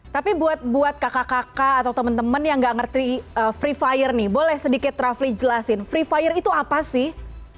tapi buat kakak kakak atau temen temen yang gak ngerti free fire nih boleh sedikit rafli jelasin free fire itu apa sih